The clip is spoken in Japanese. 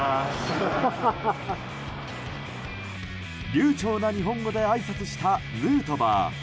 流暢な日本語であいさつしたヌートバー。